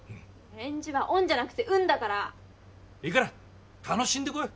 返事は「おん」じゃなくて「うん」だから！いいから楽しんでこい。